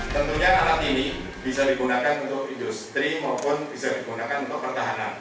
tentunya alat ini bisa digunakan untuk industri maupun bisa digunakan untuk pertahanan